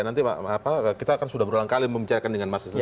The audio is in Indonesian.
nanti kita akan sudah berulang kali membicarakan dengan mas siswi